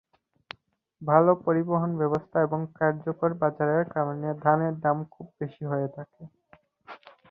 ভাল পরিবহন ব্যবস্থা এবং কার্যকর বাজারের কারণে ধানের দাম খুব বেশি হয়ে থাকে।